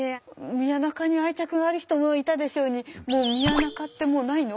宮仲に愛着がある人もいたでしょうにもう宮仲ってもうないの？